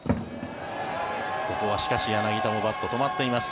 ここはしかし、柳田のバット止まっています。